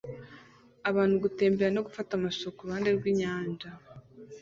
Abantu gutembera no gufata amashusho kuruhande rwinyanja